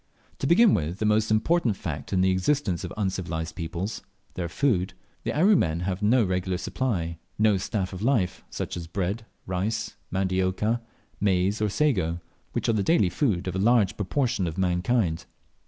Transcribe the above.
To begin with the most important fact in the existence of uncivilized peoples their food the Aru men have no regular supply, no staff of life, such as bread, rice, mandiocca, maize, or sago, which are the daily food of a large proportion of mankind.